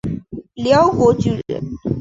辽国军人。